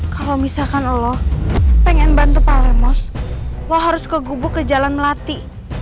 kalau misalkan lo pengen bantu palemos lo harus ke gubu ke jalan melati